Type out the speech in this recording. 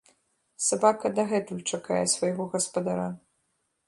Сабака дагэтуль чакае свайго гаспадара.